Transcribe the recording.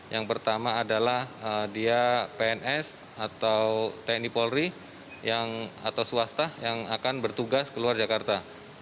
yang pertama adalah dia pns atau tni polri atau swasta yang akan bertugas keluar jakarta